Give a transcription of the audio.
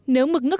nếu mực nước